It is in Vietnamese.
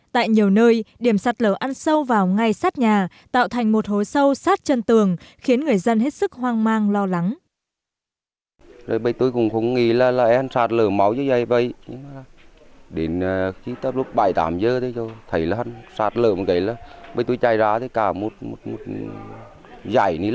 tại nhiều nơi điểm sạt lở ăn sâu vào ngay sát nhà tạo thành một hối sâu sát chân tường khiến người dân hết sức hoang mang lo lắng